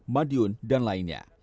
madiun dan lainnya